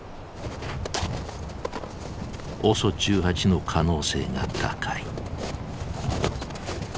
ＯＳＯ１８の可能性が高い。